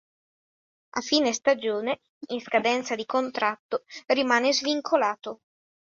A fine stagione, in scadenza di contratto, rimane svincolato.